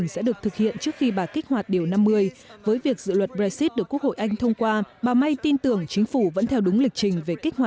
sẽ có các biện pháp trừng phạt hà lan